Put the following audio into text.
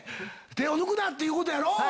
手を抜くな！っていうことやろ？